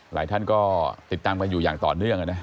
หลายท่านก็ติดตามกันอยู่อย่างต่อเนื่องนะ